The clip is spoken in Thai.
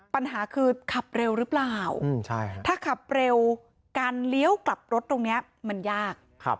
ปัญหาคือขับเร็วหรือเปล่าถ้าขับเร็วการเลี้ยวกลับรถตรงนี้มันยาก